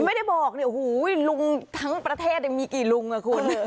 ไม่ได้บอกเนี่ยโอ้โหลุงทั้งประเทศมีกี่ลุงอ่ะคุณ